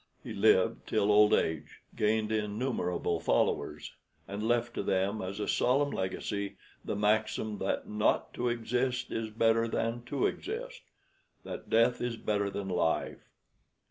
He lived till old age, gained innumerable followers, and left to them as a solemn legacy the maxim that not to exist is better than to exist; that death is better than life.